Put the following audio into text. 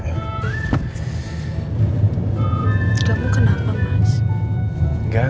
kamu kenapa mas